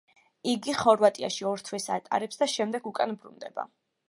იგი ხორვატიაში ორ თვეს ატარებს და შემდეგ უკან ბრუნდება.